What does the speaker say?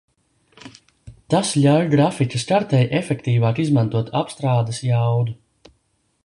Tas ļauj grafikas kartei efektīvāk izmantot apstrādes jaudu.